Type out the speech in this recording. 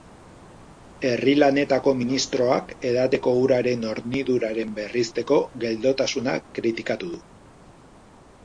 Herri-lanetako ministroak edateko uraren horniduraren berritzeko geldotasuna kritikatu du.